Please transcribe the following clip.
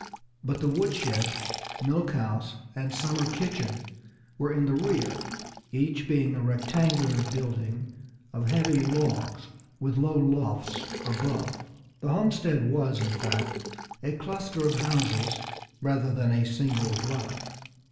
But the wood shed, milk house and summer kitchen were in the rear, each being a rectangular building of heavy logs, with low lofts above. The homestead was, in fact, a cluster of houses rather than a single dwelling.